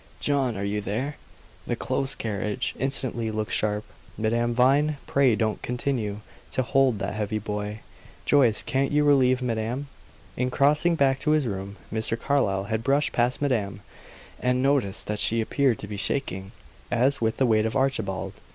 "John, are you there? The close carriage, instantly look sharp. Madame Vine, pray don't continue to hold that heavy boy; Joyce can't you relieve madame?" In crossing back to his room, Mr. Carlyle had brushed past madame, and noticed that she appeared to be shaking, as with the weight of Archibald.